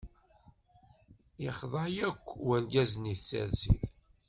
Yexḍa akk wergaz-nni i tsertit.